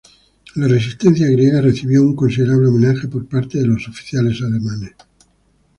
La resistencia griega recibió un considerable homenaje por parte de los oficiales alemanes.